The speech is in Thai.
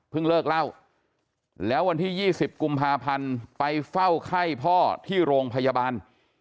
เลิกเล่าแล้ววันที่๒๐กุมภาพันธ์ไปเฝ้าไข้พ่อที่โรงพยาบาล